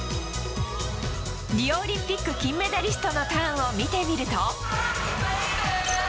リオオリンピック金メダリストのターンを見てみると。